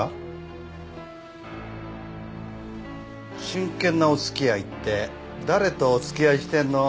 真剣なお付き合いって誰とお付き合いしてんの？